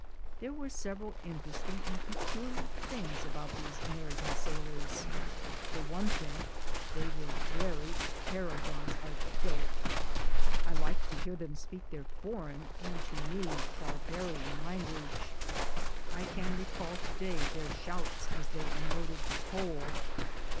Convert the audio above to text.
There were several interesting and peculiar things about these American sailors. For one thing, they were very paragons of filth. I liked to hear them speak their foreign, and to me, "bar barian" language. I can recall to day their shouts as they unloaded the coal.